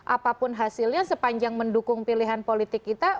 apapun hasilnya sepanjang mendukung pilihan politik kita